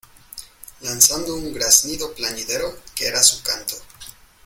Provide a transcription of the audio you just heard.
lanzando un graznido plañidero, que era su canto.